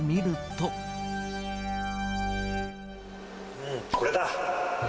うん、これだ！